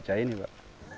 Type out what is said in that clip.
tidak ada ini pak